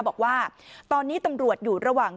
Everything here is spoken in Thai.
บอกว่าตอนนี้ตำรวจอยู่ระหว่าง